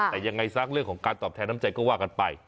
แต่ยังไงซะเรื่องของการตอบแทนน้ำใจก็ว่ากันไป